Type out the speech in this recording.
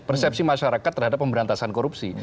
persepsi masyarakat terhadap pemberantasan korupsi